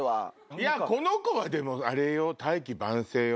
いやこの子はでもあれよ大器晩成よ。